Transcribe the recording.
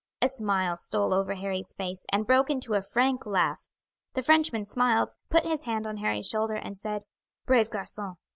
A smile stole over Harry's face, and broke into a frank laugh. The Frenchman smiled, put his hand on Harry's shoulder, and said: "Brave garcon!"